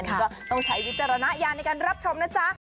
ก็ต้องใช้วิจารณญาณในการรับชมนะจ๊ะ